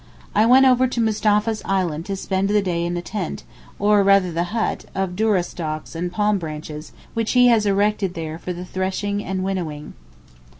I went over to Mustapha's island to spend the day in the tent, or rather the hut, of dourrah stalks and palm branches, which he has erected there for the threshing and winnowing.